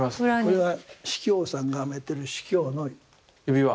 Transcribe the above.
これは司教さんがはめてる司教の指輪。